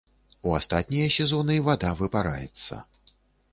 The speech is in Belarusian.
У астатнія сезоны вада выпараецца.